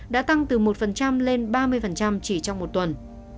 đã tăng từ một lên ba mươi chỉ trong một tuần